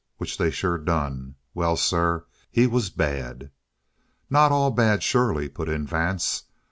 Which they sure done. Well, sir, he was bad." "Not all bad, surely," put in Vance.